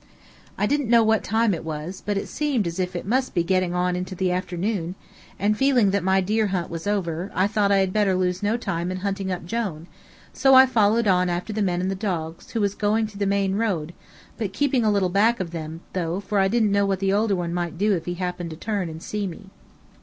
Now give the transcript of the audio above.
I didn't know what time it was, but it seemed as if it must be getting on into the afternoon; and feeling that my deer hunt was over, I thought I had better lose no time in hunting up Jone, so I followed on after the men and the dogs, who was going to the main road, but keeping a little back of them, though, for I didn't know what the older one might do if he happened to turn and see me.